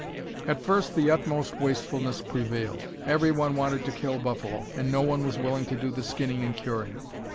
At first the utmost wastefulness prevailed. Every one wanted to kill buffalo, and no one was willing to do the skinning and curing.